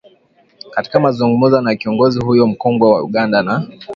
katika mazungumzo na kiongozi huyo mkongwe wa Uganda na